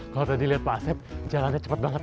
kalau tadi lihat pak asep jalannya cepat banget